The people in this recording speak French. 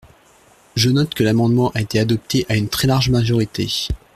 Je note que l’amendement a été adopté à une très large majorité.